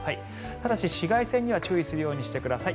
ただし、紫外線には注意するようにしてください。